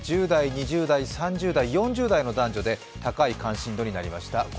１０代、２０代、３０代、４０代の男女で高い関心度になりました。